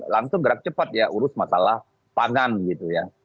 langsung gerak cepat ya urus masalah pangan gitu ya